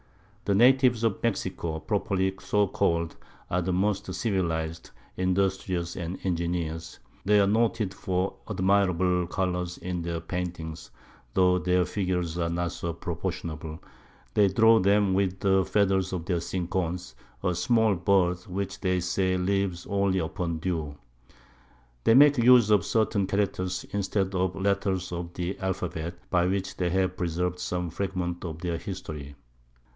[Sidenote: Mexico Described.] The Natives of Mexico, properly so call'd, are the most civiliz'd, industrious and ingenious; they are noted for admirable Colours in their Paintings, tho' their Figures are not proportionable; they draw 'em with the Feathers of their Cincons, a small Bird, which they say lives only upon Dew. They make use of certain Characters instead of the Letters of the Alphabet, by which they have preserv'd some Fragments of their History.